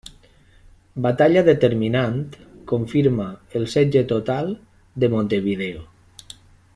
Batalla determinant, confirma el setge total de Montevideo.